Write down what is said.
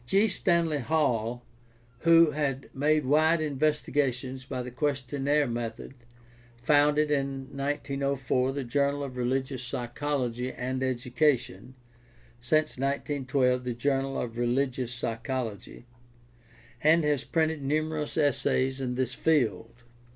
G. Stanley Hall, who had made wide investigations by the questionnaire method, founded in 1904 the Journal of Religious Psychology and Education (since 19 12 the Journal of Reli gious Psychology) and has printed numerous essays in this field.